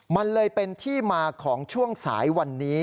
มันเลยเป็นที่มาของช่วงสายวันนี้